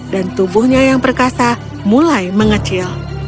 dan tubuhnya yang perkasa mulai mengecil